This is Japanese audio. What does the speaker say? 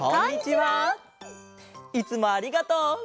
いつもありがとう。